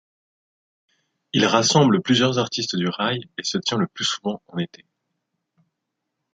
Il rassemble plusieurs artistes du raï et se tient le plus souvent en été.